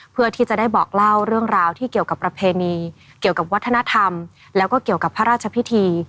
เพื่อที่จะได้บอกเล่าเรื่องราวที่เกี่ยวกับประเพณีเกี่ยวกับวัฒนธรรมแล้วก็เกี่ยวกับพระราชพิธี